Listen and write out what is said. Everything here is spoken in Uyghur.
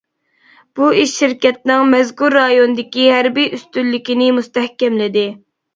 بۇ ئىش شىركەتنىڭ مەزكۇر رايوندىكى ھەربىي ئۈستۈنلۈكىنى مۇستەھكەملىدى.